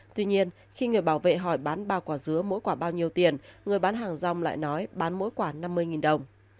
tuy nhiên khi người bảo vệ hỏi bán ba quả dứa mỗi quả bao nhiêu tiền người bán hàng rong lại nói bán mỗi quả năm mươi đồng